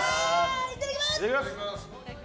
いただきます。